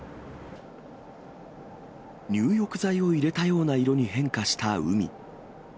入浴剤を入れたような色に変化した海。